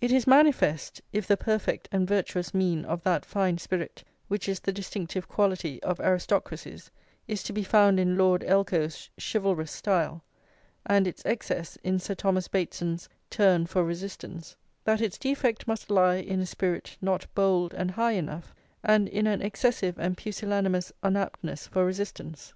It is manifest, if the perfect and virtuous mean of that fine spirit which is the distinctive quality of aristocracies, is to be found in Lord Elcho's chivalrous style, and its excess in Sir Thomas Bateson's turn for resistance, that its defect must lie in a spirit not bold and high enough, and in an excessive and pusillanimous unaptness for resistance.